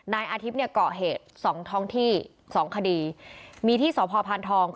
นายอาทิตย์เนี่ยเกาะเหตุสองท้องที่สองคดีมีที่สพพานทอง